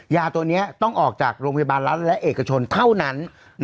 ยาตัวนี้ต้องออกจากโรงพยาบาลรัฐและเอกชนเท่านั้น